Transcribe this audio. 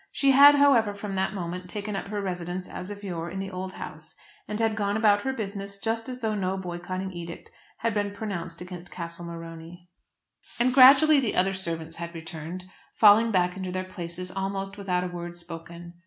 She had, however, from that moment taken up her residence as of yore in the old house, and had gone about her business just as though no boycotting edict had been pronounced against Castle Morony. And gradually the other servants had returned, falling back into their places almost without a word spoken.